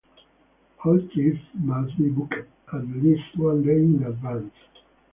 All trips must be booked at least one day in advance.